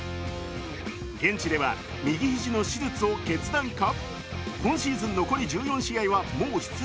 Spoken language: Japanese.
現地では、右肘の手術を決断か？